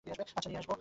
আচ্ছা, নিয়ে আসব।